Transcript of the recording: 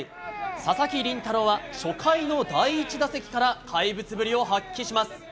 佐々木麟太郎は初回の第１打席から怪物ぶりを発揮します。